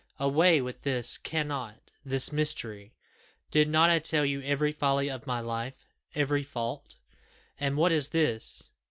Away with this 'cannot this mystery!' Did not I tell you every folly of my life every fault? And what is this?